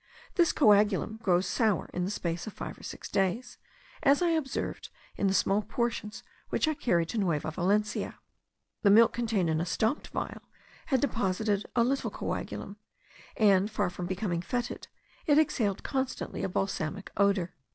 This coagulum grows sour in the space of five or six days, as I observed in the small portions which I carried to Nueva Valencia. The milk contained in a stopped phial, had deposited a little coagulum; and, far from becoming fetid, it exhaled constantly a balsamic odour.